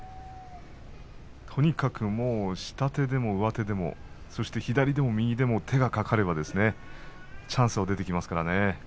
とにかく下手でも上手でも左でも右でも手がかかればチャンスは出てきます。